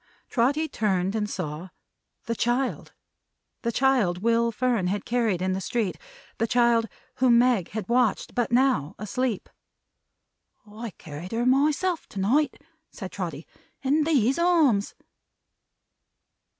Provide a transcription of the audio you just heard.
Trotty turned, and saw the child! The child Will Fern had carried in the street; the child whom Meg had watched, but now, asleep! "I carried her myself, to night," said Trotty. "In these arms!"